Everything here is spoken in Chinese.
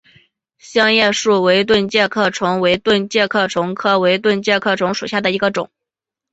香叶树围盾介壳虫为盾介壳虫科围盾介壳虫属下的一个种。